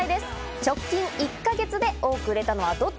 直近１か月で多くれたのはどっち？